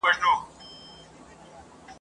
چي نن ولویږي له تخته سبا ګوري !.